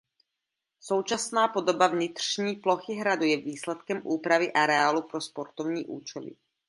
Současná podoba vnitřní plochy hradu je výsledkem úpravy areálu pro sportovní účely.